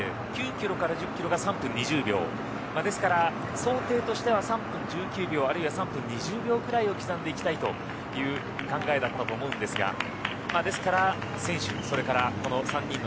９キロから１０キロが３分２０秒ですから想定としては３分１９秒あるいは３分２０秒くらいを刻んでいきたいという考えだったと思うんですが